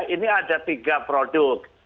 ini ada tiga produk